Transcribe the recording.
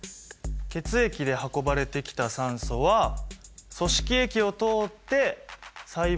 血液で運ばれてきた酸素は組織液を通って細胞に送られる。